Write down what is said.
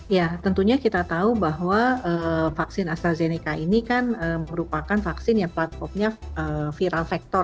ya tentunya kita tahu bahwa vaksin astrazeneca ini kan merupakan vaksin yang platformnya viral factor